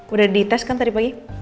udah dites kan tadi pagi